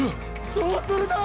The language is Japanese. どうするだぁ！？